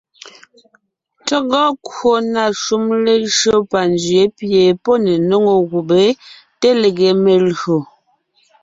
Tÿɔ́gɔ kwò na shúm lejÿó panzwě pie pɔ́ ne nóŋo gubé te lege melÿò.